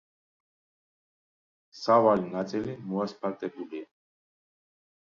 სავალი ნაწილი მოასფალტებულია.